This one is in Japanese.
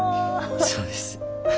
そうです。